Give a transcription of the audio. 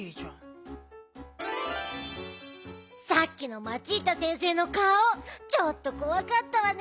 さっきのマチータ先生のかおちょっとこわかったわね。